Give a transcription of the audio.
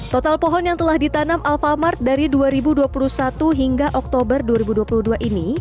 total pohon yang telah ditanam alphamart dari dua ribu dua puluh satu hingga oktober dua ribu dua puluh dua ini